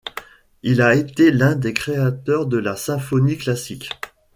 Il a été l'un des créateurs de la symphonie classique.